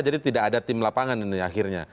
ya tim lapangan ini akhirnya